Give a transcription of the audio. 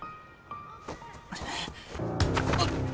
あっ！